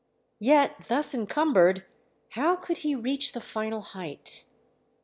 Yet thus encumbered, how could he reach the final height?